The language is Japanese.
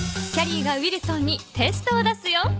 キャリーがウィルソンにテストを出すよ。